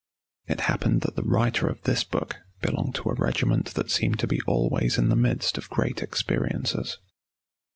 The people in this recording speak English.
It happened that the writer of this book belonged to a regiment that seemed to be always in the midst of great experiences.